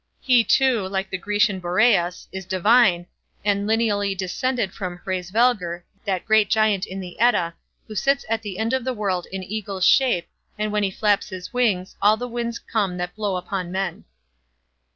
He, too, like the Grecian Boreas, is divine, and lineally descended from Hraesvelgr, that great giant in the Edda, who sits "at the end of the world in eagle's shape, and when he flaps his wings, all the winds come that blow upon men."